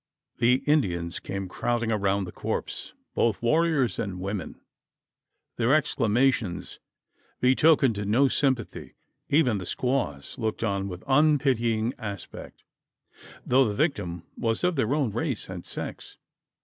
The Indians came crowding around the corpse both warriors and women. Their exclamations betokened no sympathy. Even the squaws looked on with unpitying aspect though the victim was of their own race and sex.